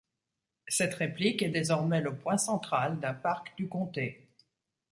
Cette réplique est désormais le point central d'un parc du comté.